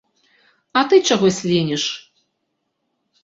А ты чаго слініш?